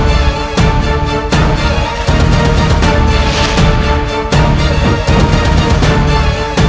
manfaat menyevergold lapan k bearing ke kaki